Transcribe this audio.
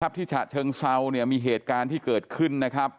ทรัพย์ที่ฉะเชิงเศร้ามีเหตุการณ์ที่เกิดขึ้นนะครับ